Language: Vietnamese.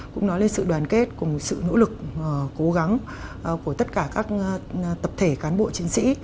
cũng nói lên sự đoàn kết cùng sự nỗ lực cố gắng của tất cả các tập thể cán bộ chiến sĩ